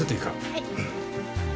はい。